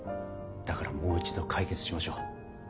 だからもう一度解決しましょう。